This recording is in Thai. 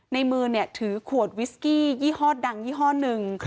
ในมือถือขวดวิสกี้ยี่ห้อดังยี่ห้อหนึ่ง